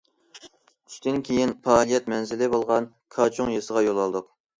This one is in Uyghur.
چۈشتىن كېيىن پائالىيەت مەنزىلى بولغان كاچۇڭ يېزىسىغا يول ئالدۇق.